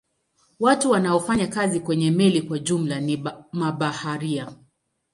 Watu wanaofanya kazi kwenye meli kwa jumla ni mabaharia.